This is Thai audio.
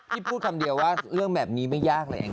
พูดคำเดียวว่าเรื่องแบบนี้ไม่ยากเลย